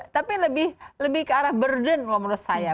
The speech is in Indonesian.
tapi lebih ke arah burden kalau menurut saya